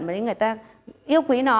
mà người ta yêu quý nó